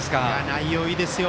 内容いいですよ。